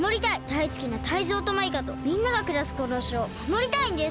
だいすきなタイゾウとマイカとみんながくらすこのほしをまもりたいんです！